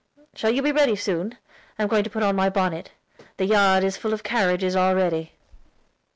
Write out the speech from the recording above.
Shall you be ready soon? I am going to put on my bonnet. The yard is full of carriages already."